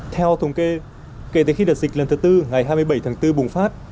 theo thống kê kể từ khi đợt dịch lần thứ tư ngày hai mươi bảy tháng bốn bùng phát